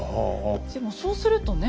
でもそうするとねえ？